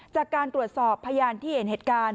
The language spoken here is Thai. จากการตรวจสอบพยานที่เห็นเหตุการณ์